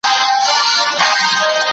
آیا د پوهنې وزارت د ښوونکو ستونزې اوري؟